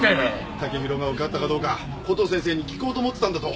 剛洋が受かったかどうかコトー先生に聞こうと思ってたんだと。